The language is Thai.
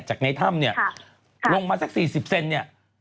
จากในถ้ำเนี่ยลงมาสัก๔๐เซนเนี่ย